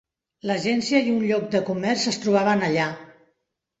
L'agència i un lloc de comerç es trobaven allà.